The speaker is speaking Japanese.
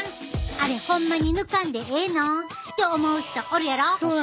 あれほんまに抜かんでええの？って思う人おるやろ？